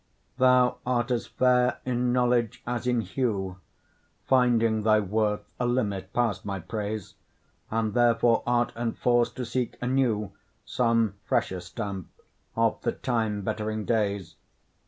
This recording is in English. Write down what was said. Thou art as fair in knowledge as in hue, Finding thy worth a limit past my praise; And therefore art enforced to seek anew Some fresher stamp of the time bettering days.